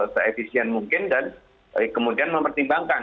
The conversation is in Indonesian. se efisien mungkin dan kemudian mempertimbangkan